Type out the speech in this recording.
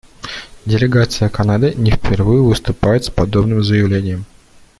Делегация Канады не впервые выступает с подобным заявлением.